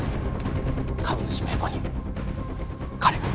株主名簿に彼が。